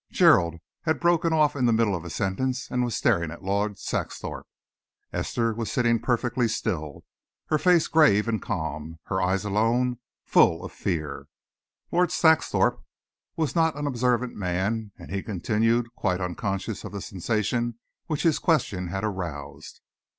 Gerald had broken off in the middle of a sentence and was staring at Lord Saxthorpe. Esther was sitting perfectly still, her face grave and calm, her eyes alone full of fear. Lord Saxthorpe was not an observant man and he continued, quite unconscious of the sensation which his question had aroused.